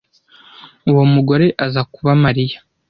uwo mugore aza kuba mariya